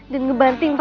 dan ngebantuin gue